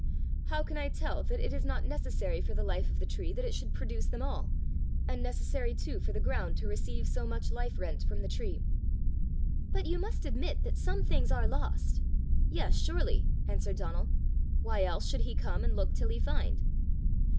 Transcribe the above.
How can I tell that it is not necessary for the life of the tree that it should produce them all, and necessary too for the ground to receive so much life rent from the tree!" "But you must admit that some things are lost!" "Yes, surely!" answered Donal. "Why else should he come and look till he find?"